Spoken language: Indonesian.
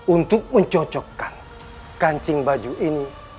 untuk mencocokkan kancing baju ini